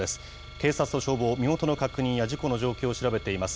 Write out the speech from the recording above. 警察と消防、身元の確認や事故の状況を調べています。